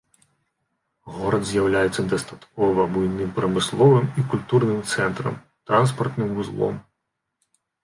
Горад з'яўляецца дастаткова буйным прамысловым і культурным цэнтрам, транспартным вузлом.